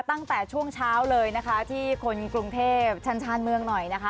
ตั้งแต่ช่วงเช้าเลยนะคะที่คนกรุงเทพชาญชานเมืองหน่อยนะคะ